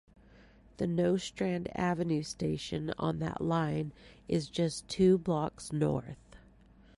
The Nostrand Avenue station on that line is just two blocks north.